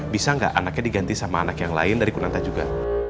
bisa gak anaknya diganti sama anak yang lain dari kun anta juga